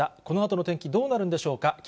このあとの天気、どうなるんでしょうか。